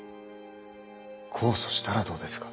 控訴したらどうですか？